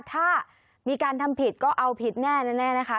ถ้ามีการทำผิดก็เอาผิดแน่แน่นะคะ